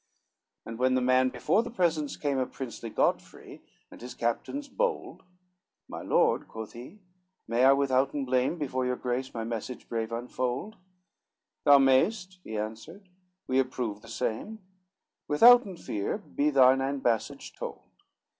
XVII And when the man before the presence came Of princely Godfrey, and his captains bold: "My Lord," quoth he, "may I withouten blame Before your Grace, my message brave unfold?" "Thou mayest," he answered, "we approve the same; Withouten fear, be thine ambassage told."